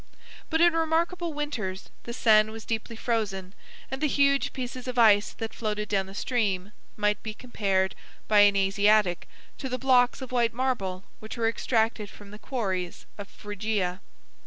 But in remarkable winters, the Seine was deeply frozen; and the huge pieces of ice that floated down the stream, might be compared, by an Asiatic, to the blocks of white marble which were extracted from the quarries of Phrygia.